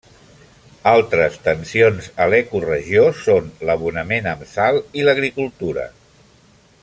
Altres tensions a l'ecoregió són l'abonament amb sal i l'agricultura.